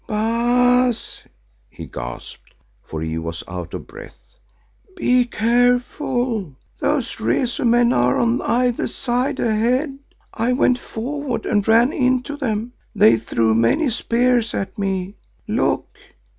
"Baas," he gasped, for he was out of breath, "be careful, those Rezu men are on either side ahead. I went forward and ran into them. They threw many spears at me. Look!"